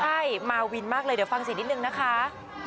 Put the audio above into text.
ใช่มาวินมากเลยเดี๋ยวฟังเสียงนิดนึงนะคะ